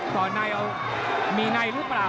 ก่อนในมีในหรือเปล่า